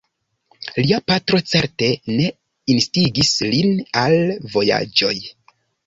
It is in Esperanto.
Lia patro certe ne instigis lin al vojaĝoj.